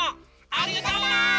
ありがとう！